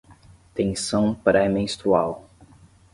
Tensão pré-menstrual